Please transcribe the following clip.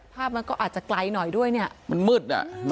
ภาพมันก็อาจจะไกลหน่อยด้วยมันมืด